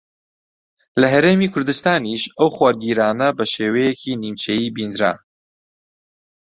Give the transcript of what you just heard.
لە ھەرێمی کوردستانیش ئەو خۆرگیرانە بە شێوەیەکی نیمچەیی بیندرا